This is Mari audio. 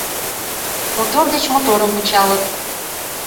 Мотор деч моторым кычалыт.